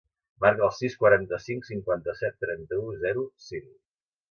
Marca el sis, quaranta-cinc, cinquanta-set, trenta-u, zero, cinc.